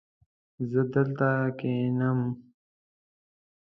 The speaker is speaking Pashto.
زه دلته کښېنم